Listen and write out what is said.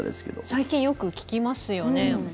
最近よく聞きますよね。